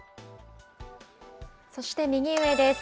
そして右上です。